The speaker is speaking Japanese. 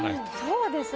そうですね。